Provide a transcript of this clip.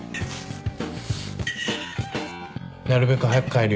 なるべく早く帰るよ。